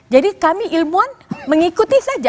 jadi kami ilmuwan mengikuti seruan salemba